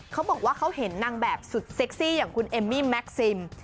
เขาบอกว่าเขาเห็นนางแบบสุดเซ็กซี่อย่างคุณเอมมี่แม็กซิม